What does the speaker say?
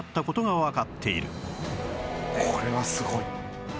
これはすごいわ。